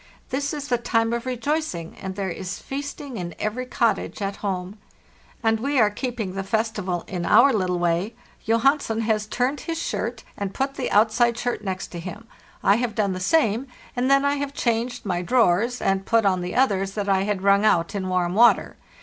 This is the time of rejoicing, and there is feasting in every cottage at home. And we are keeping the festival in our little way. Johansen has TAND. AT LAST 449 turned his shirt and put the outside shirt next him; I have done the same, and then I have changed my draw ers, and put on the others that I had wrung out in warm water.